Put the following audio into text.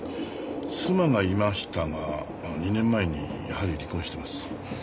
妻がいましたが２年前にやはり離婚してます。